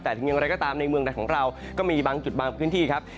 แต่ถึงอย่างไรก็ตามในเมืองใดของเราก็มีบางจุดบางพื้นที่ครับ